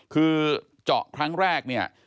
คือเจาะครั้งแรกเนี่ย